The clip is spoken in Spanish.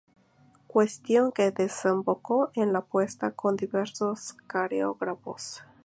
Cuestión que desembocó en la puesta con diversos coreógrafos.